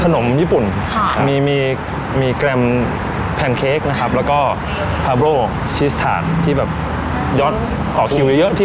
ขนมญี่ปุ่นค่ะมีมีมีแกรมนะครับแล้วก็ที่แบบยอดต่อคิวเยอะเยอะที่